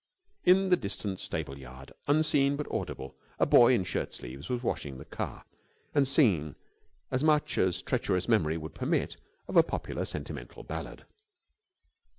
In the distant stable yard, unseen but audible, a boy in shirt sleeves was washing the car and singing as much as treacherous memory would permit of a popular sentimental ballad.